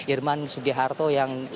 irman subiharto yang